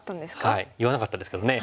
はい言わなかったですけどね。